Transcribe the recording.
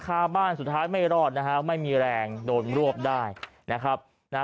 คาบ้านสุดท้ายไม่รอดนะฮะไม่มีแรงโดนรวบได้นะครับนะฮะ